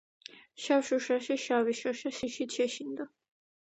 შავ შუშაში შავი შოშია შიშით შეშინდა.